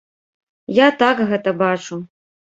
Я так гэта бачу.